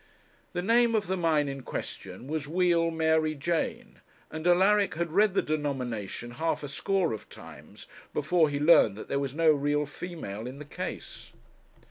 The name of the mine in question was Wheal Mary Jane, and Alaric had read the denomination half a score of times before he learnt that there was no real female in the case.